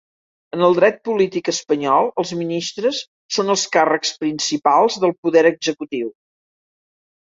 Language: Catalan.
En el dret polític espanyol els ministres són els càrrecs principals del poder executiu.